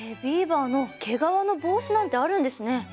ビーバーの毛皮の帽子なんてあるんですね。